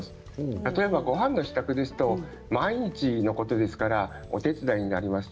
ごはんの支度ですと毎日のことですしお手伝いになります。